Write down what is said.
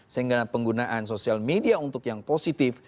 sehingga penggunaan sosial media untuk yang positif